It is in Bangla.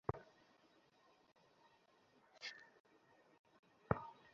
সেখানে জঙ্গলের মধ্যে এটি পোঁতা ছিল।